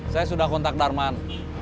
saya sudah kontak darman